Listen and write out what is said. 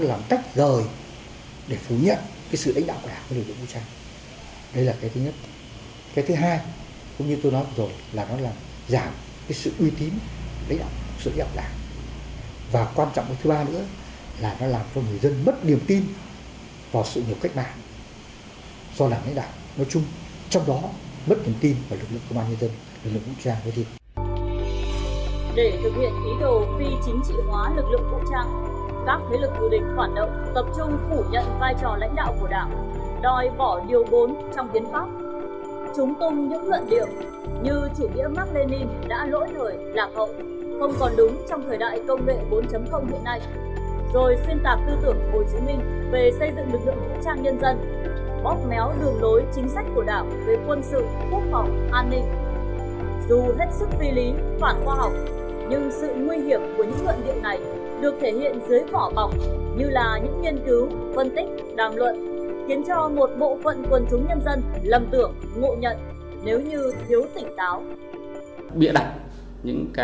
để thực hiện âm mưu phi chính trị hóa lực lượng vũ trang một thủ đoạn khác mà các thế lực thù địch tập trung hướng đến là phá hoại các nguyên tắc cơ bản xóa bỏ công tác đảng công tác chính trị trong lực lượng vũ trang